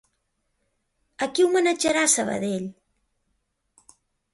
A qui homenatjarà Sabadell?